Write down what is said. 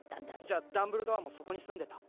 じゃあダンブルドアもそこに住んでた？